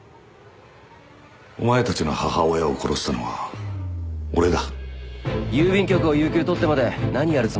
お前たちの母親を殺したのは俺だ。